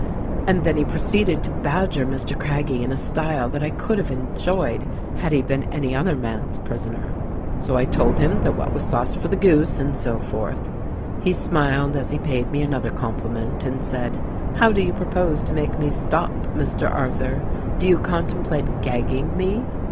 And then he proceeded to badger Mr. Craggie in a style that I could have enjoyed had he been any other man's prisoner. 220 THE RECORDING AXGEL So I told him that what was sauce for the goose, and so forth. "He smiled as he paid me another compliment and said, 'How do you propose to make me stop, Mr. Arthur. Do you contemplate gagging me